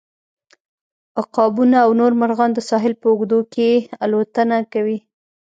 عقابونه او نور مرغان د ساحل په اوږدو کې الوتنه کوي